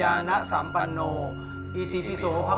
ไอ้ผีบ้า